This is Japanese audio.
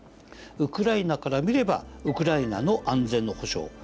ウクライナから見ればウクライナの安全の保障